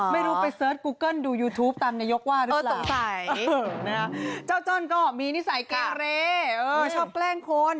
ไม่รู้ไปเสิร์ชกูเกิ้ลดูยูทูปตามนายกว่าหรือเปล่าเจ้าจ้อนก็มีนิสัยแกล้งเรชอบแกล้งคน